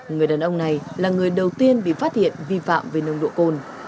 người đàn ông này là người đầu tiên bị phát hiện vi phạm về nồng độ cồn